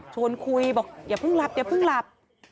ชวนคุยบอกอย่าเพิ่งหลับอย่าเพิ่งหลับ